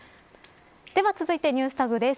では続いてＮｅｗｓＴａｇです。